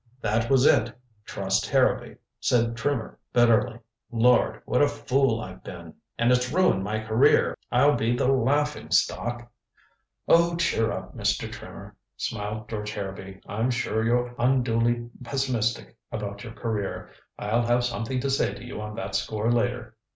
"That was it trust Harrowby," said Trimmer bitterly. "Lord, what a fool I've been. And it's ruined my career. I'll be the laughing stock " "Oh, cheer up, Mr. Trimmer," smiled George Harrowby. "I'm sure you're unduly pessimistic about your career. I'll have something to say to you on that score later.